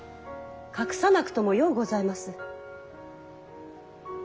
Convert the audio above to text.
隠さなくともようございます。